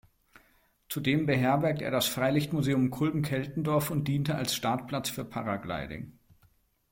Zudem beherbergt er das Freilichtmuseum "Kulm-Keltendorf" und diente als Startplatz für Paragliding.